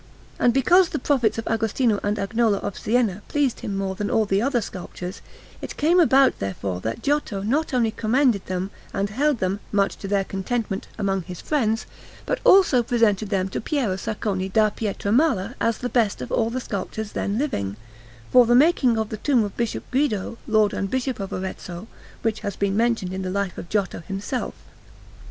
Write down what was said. And because the prophets of Agostino and Agnolo of Siena pleased him more than all the other sculptures, it came about therefore that Giotto not only commended them and held them, much to their contentment, among his friends, but also presented them to Piero Saccone da Pietramala as the best of all the sculptors then living, for the making of the tomb of Bishop Guido, Lord and Bishop of Arezzo, which has been mentioned in the Life of Giotto himself.